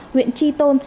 huyện tri tôn